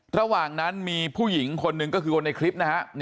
ระหว่างนั้นมีผู้หญิงคนหนึ่งก็คือคนในคลิปนะฮะ